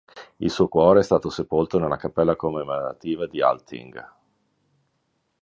Il suo Cuore è stato sepolto nella cappella commemorativa di Alltting.